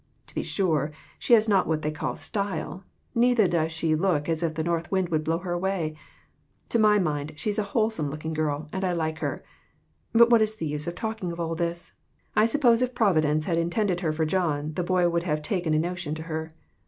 To be sure, she has not what they call " style," neither does she look as if the north wind would blow her away. To my mind she is a wholesome looking girl, and I like her. But what is the use of talking all this? I sup pose if Providence had intended her for John, the boy would have taken a notion to her.